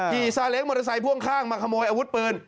ขี่ซาเล็งค์มรษัยพ่วงข้างมาขโมยอาวุธปืน